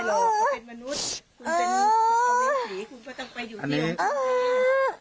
คุณเป็นตัวเมษีคุณก็ต้องไปอยู่ดีกว่า